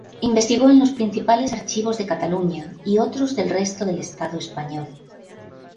Investigó en los principales archivos de Cataluña y otros del resto del Estado español.